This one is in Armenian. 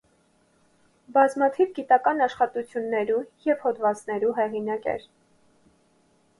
Բազմաթիւ գիտական աշխատութիւններու եւ յօդուածներու հեղինակ էր։